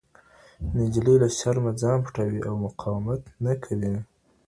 نجلۍ له شرمه ځان پټوي او مقاومت نه کوي.